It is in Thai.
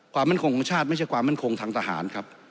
ความมั่นคงของชาติไม่ใช่ความมั่นคงทางทหารครับ